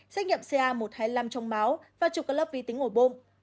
xét nghiệm ca một trăm hai mươi năm trong máu và chụp các lớp vi tính ngồi bụng